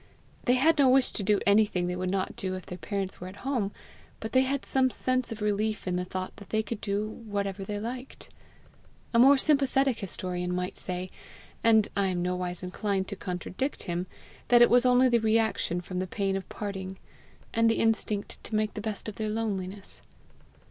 They had no wish to do anything they would not do if their parents were at home, but they had some sense of relief in the thought that they could do whatever they liked. A more sympathetic historian might say, and I am nowise inclined to contradict him, that it was only the reaction from the pain of parting, and the instinct to make the best of their loneliness.